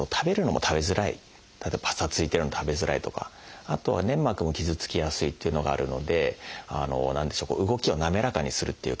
例えばぱさついてるの食べづらいとかあとは粘膜も傷つきやすいっていうのがあるので何でしょう動きを滑らかにするっていうか。